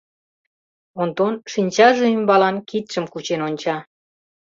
Онтон шинчаже ӱмбалан кидшым кучен онча.